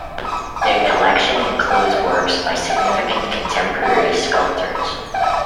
Their collection includes works by significant contemporary sculptors.